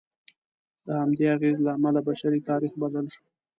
د همدې اغېز له امله بشري تاریخ بدل شو.